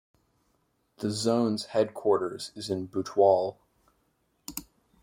The zone's headquarters is Butwal.